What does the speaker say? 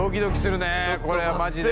これはマジで。